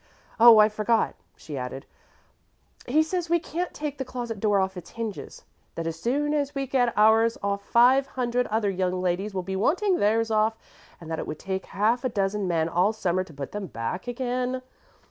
Oh, I forgot," she added; "he says we can't take the closet door off its hinges that as soon as we get ours off five hundred other young ladies will be wanting theirs off, and that it would take half a dozen men all summer to put them back again."